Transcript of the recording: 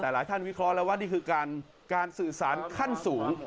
แต่หลายท่านวิเคราะห์แล้วว่านี่คือการสื่อสารขั้นสูง